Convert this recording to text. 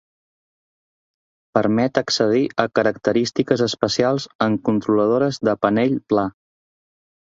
Permet accedir a característiques especials en controladores de panell pla.